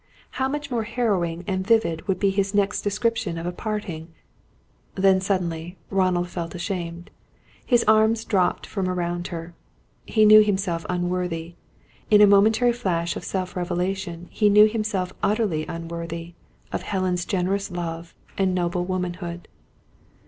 How much more harrowing and vivid would be his next description of a parting Then, suddenly, Ronald felt ashamed. His arms dropped from around her. He knew himself unworthy in a momentary flash of self revelation he knew himself utterly unworthy of Helen's generous love, and noble womanhood.